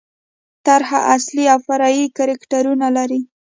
طرحه اصلي او فرعي کرکټرونه لري.